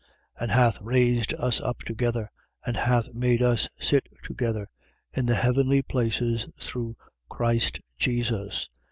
And hath raised us up together and hath made us sit together in the heavenly places, through Christ Jesus.